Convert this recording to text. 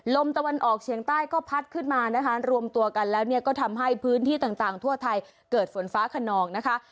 ลมตะวันออกเฉียงใต้ก็พัดขึ้นมานะคะรวมตัวกันแล้วเนี่ยก็ทำให้พื้นที่ต่างทั่วไทยเกิดฝนฟ้าขนองนะคะ